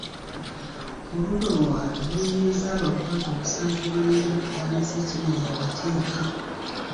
Oludda oluwaabi lulumiriza abakwate okusangibwa n’ebyokulwanyisa ekimenya amateeka.